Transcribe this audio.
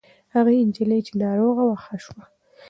هغه نجلۍ چې ناروغه وه ښه شوه.